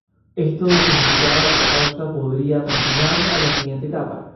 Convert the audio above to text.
Esto significaba que la causa podría continuar a la siguiente etapa.